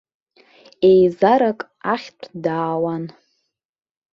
Еизарак ахьтә даауан.